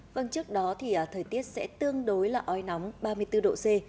vâng trước đó thì thời tiết sẽ tương đối là oi nóng ba mươi bốn độ c